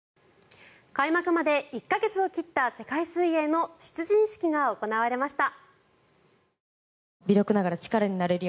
開幕まで１か月を切った世界水泳の出陣式が行われました。